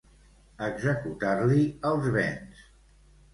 Executar-li els béns.